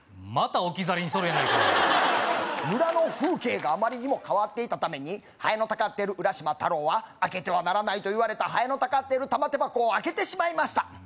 また置き去りにしとるやないかい村の風景があまりにも変わっていたためにハエのたかっている浦島太郎は開けてはならないと言われたハエのたかっている玉手箱を開けてしまいました